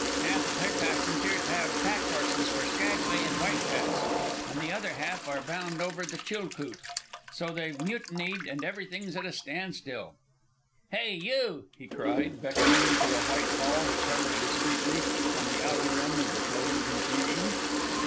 "Half of her passengers have pack horses for Skaguay and White Pass, and the other half are bound over the Chilcoot. So they've mutinied and everything's at a standstill." "Hey, you!" he cried, beckoning to a Whitehall which hovered discreetly on the outer rim of the floating confusion.